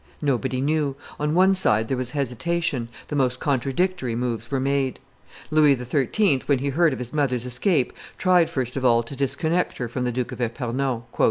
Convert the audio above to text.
Nobody knew; on one side there was hesitation; the most contradictory moves were made. Louis XIII., when he heard of his mother's escape, tried first of all to disconnect her from the Duke of Epernon.